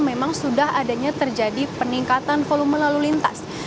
memang sudah adanya terjadi peningkatan volume lalu lintas